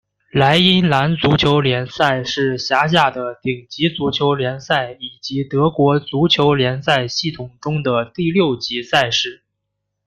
莱茵兰足球联赛是辖下的顶级足球联赛以及德国足球联赛系统中的第六级赛事。